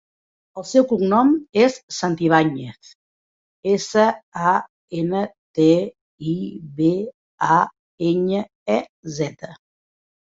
El seu cognom és Santibañez: essa, a, ena, te, i, be, a, enya, e, zeta.